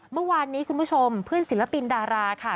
เมื่อวานนี้คุณผู้ชมเพื่อนศิลปินดาราค่ะ